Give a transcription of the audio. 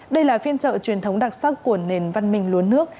đây là phiên chợ truyền thống đặc sắc của nền văn minh luân nước